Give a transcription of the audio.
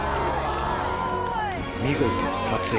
見事、撮影。